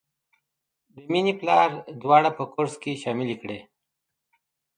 د مینې پلار دواړه په کورس کې شاملې کړې